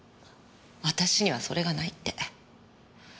私にはそれがないって。